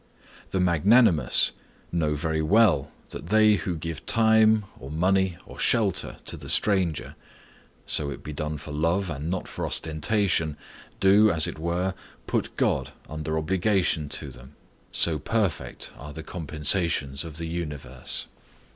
The magnanimous know very well that they who give time, or money, or shelter, to the stranger,—so it be done for love and not for ostentation,—do, as it were, put God under obligation to them, so perfect are the compensations of the universe.